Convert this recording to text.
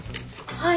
はい。